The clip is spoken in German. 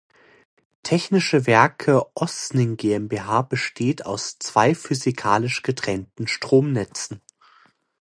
Technische Werke Osning GmbH besteht aus zwei physikalisch getrennten Stromnetzen.